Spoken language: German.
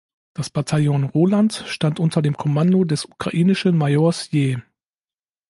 Das Bataillon „Roland“ stand unter dem Kommando des ukrainischen Majors Je.